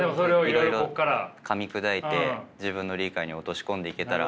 いろいろかみ砕いて自分の理解に落とし込んでいけたら。